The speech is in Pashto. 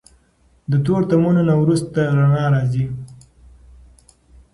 د تورتمونو نه وروسته رڼا راځي.